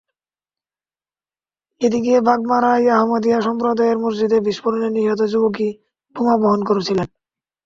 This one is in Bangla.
এদিকে বাগমারায় আহমদিয়া সম্প্রদায়ের মসজিদে বিস্ফোরণে নিহত যুবকই বোমা বহন করছিলেন।